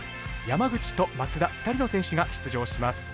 山口と松田２人の選手が出場します。